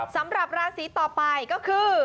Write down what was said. สำหรับราศีต่อไปก็คือ